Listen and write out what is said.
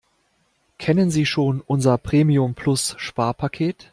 Kennen Sie schon unser Premium-Plus-Sparpaket?